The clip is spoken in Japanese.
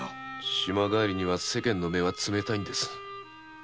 島帰りに世間の目は冷たいんです。